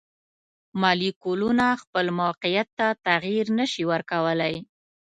مالیکولونه خپل موقیعت ته تغیر نشي ورکولی.